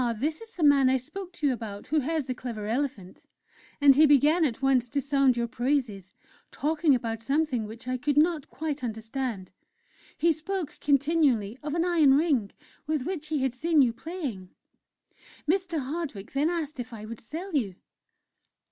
this is the man I spoke to you about, who has the clever elephant,' And he began at once to sound your praises, talking about something which I could not quite understand; he spoke continually of an 'iron ring' with which he had seen you playing.... "Mr. Hardwick then asked if I would sell you.